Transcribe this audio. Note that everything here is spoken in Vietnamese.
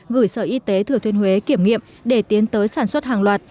gửi sở y tế thừa thuyên huế kiểm nghiệm để tiến tới sản xuất hàng loạt